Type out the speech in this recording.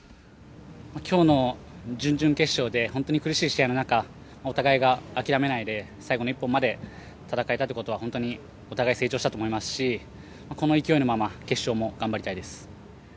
今日の準々決勝で本当に苦しい試合の中お互いが諦めないで最後の１本まで戦えたということはお互い成長したと思いますしこの勢いのまま決勝も頑張りたいです。